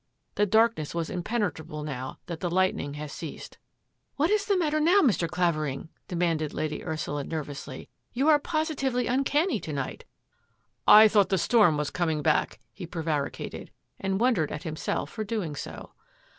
The darkness was Impenetrable now that the lightning had ceased. " What is the matter now, Mr. Clavering? " demanded Lady Ursula nervously. " You are positively uncanny to night." " I thought the storm was coming back," he prevaricated, and wondered at himself for doing so.